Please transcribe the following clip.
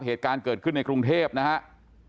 เหตุการณ์เกิดขึ้นในกรุงเทพนะครับ